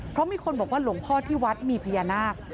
เพราะมีคนบอกว่าหลวงพ่อที่วัดมีพญานาค